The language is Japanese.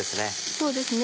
そうですね。